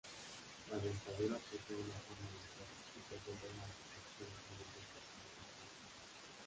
La dentadura posee una forma alargada y presenta una porción sin dientes bastante extensa.